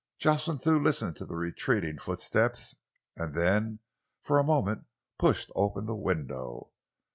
Jocelyn Thew listened to the retreating footsteps and then for a moment pushed open the window.